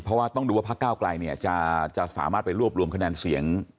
เพราะว่าต้องดูว่าพักเก้าไกลเนี่ยจะสามารถไปรวบรวมคะแนนเสียง